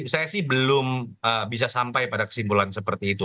saya sih belum bisa sampai pada kesimpulan seperti itu